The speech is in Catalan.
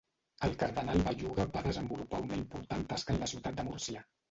El Cardenal Belluga va desenvolupar una important tasca en la ciutat de Múrcia.